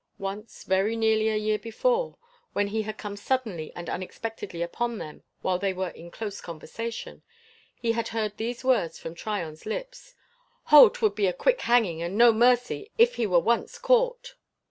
Once, very nearly a year before, when he had come suddenly and unexpectedly upon them while they were in close conversation, he had heard these words from Tryon's lips: "Ho! 'twould be a quick hanging, and no mercy, if he were once caught!"